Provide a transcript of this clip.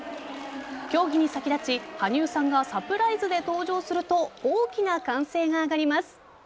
競技に先立ち、羽生さんがサプライズで登場すると大きな歓声が上がります。